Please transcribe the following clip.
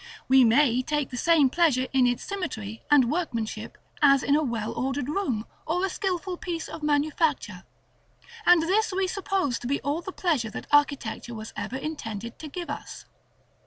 We may take the same pleasure in its symmetry and workmanship as in a well ordered room, or a skilful piece of manufacture. And this we suppose to be all the pleasure that architecture was ever intended to give us.